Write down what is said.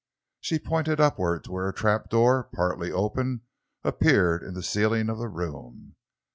She pointed upward, to where a trap door, partly open, appeared in the ceiling of the room.